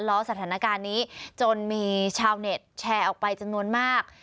ล้อสถานการณ์นี้จนมีชาวเน็ตแชร์ออกไปจำนวนมาก